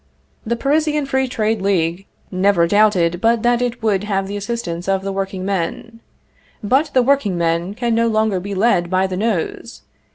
"The Parisian Free Trade League never doubted but that it would have the assistance of the workingmen. But the workingmen can no longer be led by the nose.